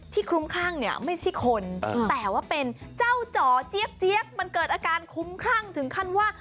คลุ้มคลั่งเนี่ยไม่ใช่คนแต่ว่าเป็นเจ้าจ่อเจี๊ยบมันเกิดอาการคุ้มคลั่งถึงขั้นว่า